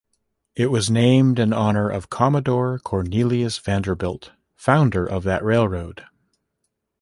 It was named in honor of Commodore Cornelius Vanderbilt, founder of that railroad.